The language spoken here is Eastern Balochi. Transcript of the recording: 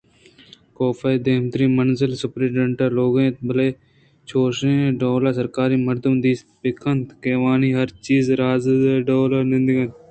کاف ءِ دیمتری منزل سپرنٹنڈنٹ ءِ لوگ اَت بلئے چوں اے ڈولیں سرکاری مردم ءَ دیست بہ کنت کہ آوانی ہرچیز رازے ءِ ڈول ءَ اندیم اِنت